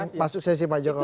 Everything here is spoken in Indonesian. nanti akan pasuksesi pak jokowi